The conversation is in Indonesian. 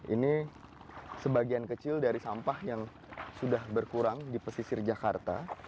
ini sebagian kecil dari sampah yang sudah berkurang di pesisir jakarta